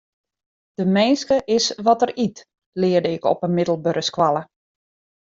De minske is wat er yt, learde ik op 'e middelbere skoalle.